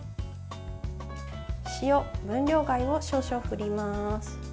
塩、分量外を少々振ります。